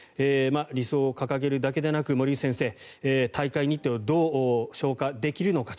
理想を掲げるだけでなく森内先生、大会日程をどう消化できるのかと。